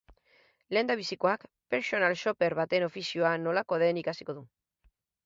Lehendabizikoak personal shopper baten ofizioa nolakoa den ikasiko du.